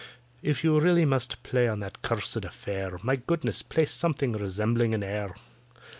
If you really must play on that cursed affair, My goodness! play something resembling an air."